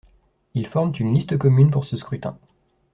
Ils forment une liste commune pour ce scrutin.